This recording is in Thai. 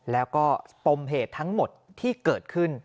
แล้วก็ปมเหตุทั้งหมดที่เกิดขึ้น